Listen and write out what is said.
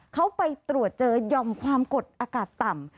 เขาไปตรวจเจอยอมความกดอากาศต่ำ